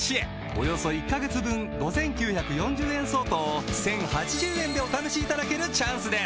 およそ１カ月分５，９４０円相当を１，０８０円でお試しいただけるチャンスです